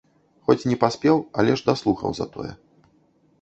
Хоць не паспеў, але ж даслухаў затое.